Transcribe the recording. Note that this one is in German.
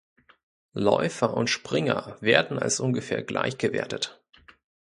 Läufer und Springer werden als ungefähr gleich gewertet.